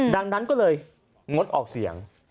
ดังนั้นก็เลยงดออกเสียง